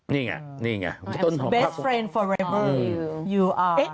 นี่ไงนี่ไง